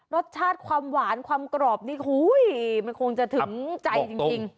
รสชาติความหวานความกรอบนี่มันคงจะถึงใจจริง